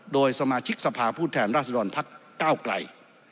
โดยสมาชิกสภาพุทธแทนราษฎรวันที่๙ไกล